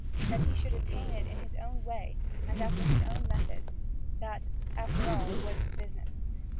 That he should attain it in his own way, and after his own methods, that, after all, was his business.